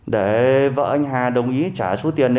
để vợ anh hà đồng ý trả số tiền